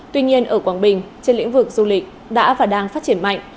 tuy nhiên ở quảng bình trên lĩnh vực du lịch đã và đang phát triển mạnh